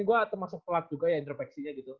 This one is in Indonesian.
gue masuk club juga ya intropeksinya gitu